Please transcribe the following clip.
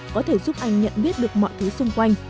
có thể giúp anh nhận biết được mọi thứ xung quanh